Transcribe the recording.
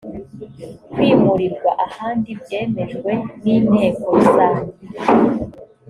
kwimurirwa ahandi byemejwe n inteko rusange